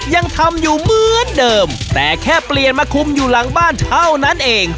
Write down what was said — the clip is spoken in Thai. ยังทำอยู่เหมือนเดิมแต่แค่เปลี่ยนมาคุมอยู่หลังบ้านเท่านั้นเอง